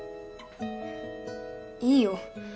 いいよ。